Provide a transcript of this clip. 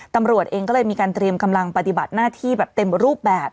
ตำรวจเองก็เลยมีการเตรียมกำลังปฏิบัติหน้าที่แบบเต็มรูปแบบ